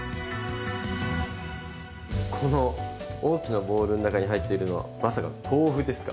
この大きなボウルの中に入っているのはまさか豆腐ですか？